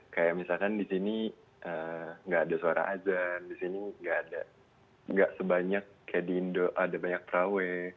kayak misalkan di sini gak ada suara azan di sini gak sebanyak kayak di indo ada banyak prawe